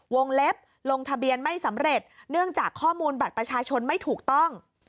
เล็บลงทะเบียนไม่สำเร็จเนื่องจากข้อมูลบัตรประชาชนไม่ถูกต้อง